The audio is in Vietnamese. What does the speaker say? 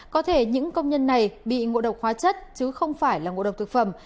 có thể những công nhân này bị ngộ độc hóa chất chứ không phải là ngộ độc thực phẩm